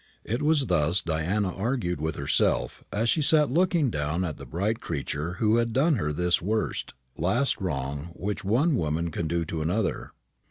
It was thus Diana argued with herself, as she sat looking down at the bright creature who had done her this worst, last wrong which one woman can do to another.